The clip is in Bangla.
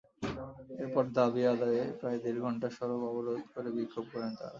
এরপর দাবি আদায়ে প্রায় দেড় ঘণ্টা সড়ক অবরোধ করে বিক্ষোভ করেন তাঁরা।